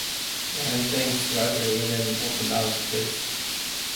Ann thanks Roger with an open-mouthed kiss.